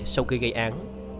sau khi gây án